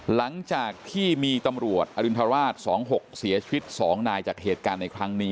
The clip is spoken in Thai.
หลังจากที่มีตำรวจอรินทราช๒๖เสียชีวิต๒นายจากเหตุการณ์ในครั้งนี้